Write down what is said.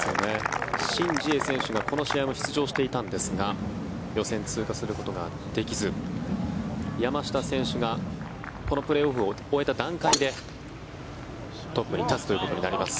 シン・ジエ選手がこの試合も出場していたんですが予選通過することができず山下選手がこのプレーオフを終えた段階でトップに立つということになります。